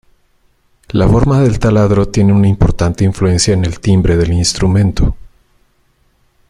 La forma del taladro tiene una importante influencia en el timbre del instrumento.